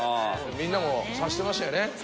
みんなも察してましたよね